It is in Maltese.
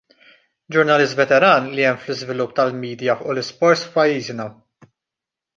Ġurnalist veteran li għen fl-iżvilupp tal-medja u l-isport f'pajjiżna.